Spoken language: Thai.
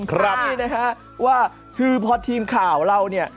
ครับนี่นะฮะว่าคือพอทีมข่าวเราเนี่ย